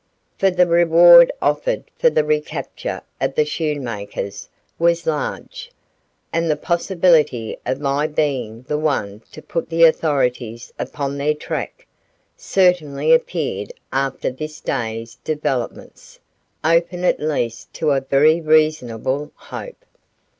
For the reward offered for the recapture of the Schoenmakers was large, and the possibility of my being the one to put the authorities upon their track, certainly appeared after this day's developements, open at least to a very reasonable hope.